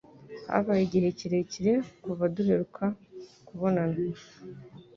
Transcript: Habaye igihe kirekire kuva duheruka kubonana.